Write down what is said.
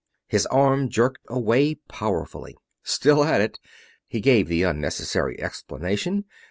His arm jerked away powerfully. "Still at it," he gave the unnecessary explanation.